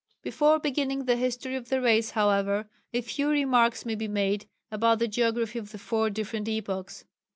Before beginning the history of the race, however, a few remarks may be made about the geography of the four different epochs.